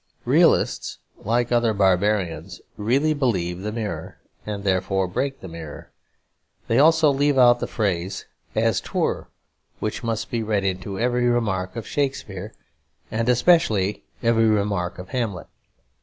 Realists, like other barbarians, really believe the mirror; and therefore break the mirror. Also they leave out the phrase "as 'twere," which must be read into every remark of Shakespeare, and especially every remark of Hamlet.